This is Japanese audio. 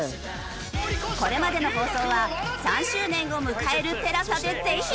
これまでの放送は３周年を迎えるＴＥＬＡＳＡでぜひ！